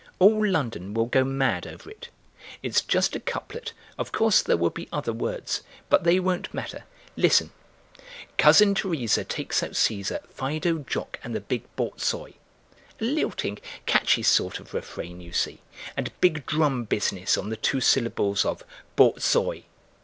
All London will go mad over it. It's just a couplet; of course there will be other words, but they won't matter. Listen: Cousin Teresa takes out Cæsar, Fido, Jock, and the big borzoi. A lifting, catchy sort of refrain, you see, and big drum business on the two syllables of bor zoi.